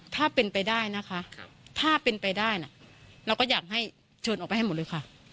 ถ้าเป็นไปได้นะคะถ้าเป็นไปได้นะเราก็อยากให้เชิญออกไปให้หมดเลยค่ะ